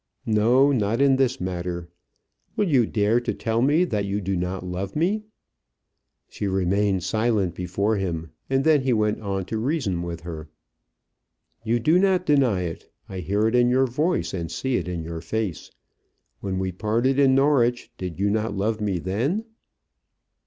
"No, not in this matter. Will you dare to tell me that you do not love me?" She remained silent before him, and then he went on to reason with her. "You do not deny it. I hear it in your voice and see it in your face. When we parted in Norwich, did you not love me then?"